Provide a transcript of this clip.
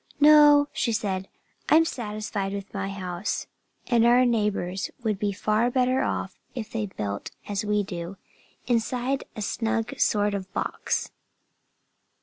"No!" she said. "I'm satisfied with my house. And our neighbors would be far better off if they built as we do, inside a snug sort of box."